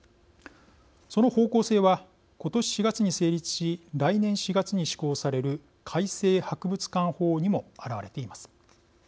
その方向性は、今年４月に成立し来年４月に施行される改正博物館法にも表れています。